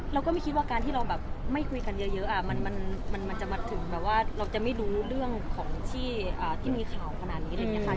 เราก็ไม่คิดว่าการที่เราแบบไม่คุยกันเยอะมันจะมาถึงแบบว่าเราจะไม่รู้เรื่องของที่มีข่าวขนาดนี้อะไรอย่างนี้ค่ะ